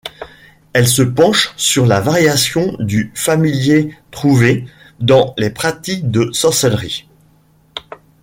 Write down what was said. Elle se penche sur les variations du familier trouvées dans les pratiques de sorcellerie.